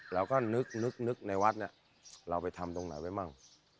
เราก็นึกในวัดเนี่ยเราไปทำตรงไหนไว้มั่ง